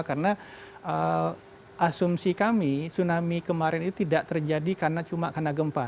karena asumsi kami tsunami kemarin itu tidak terjadi karena cuma karena gempa